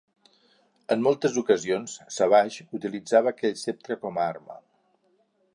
En moltes ocasions, Savage utilitzava aquell ceptre com a arma.